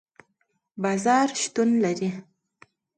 بازار شتون لري